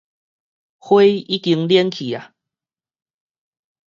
花已經蔫去矣！